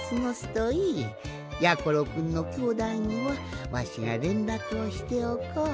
やころくんのきょうだいにはわしがれんらくをしておこう。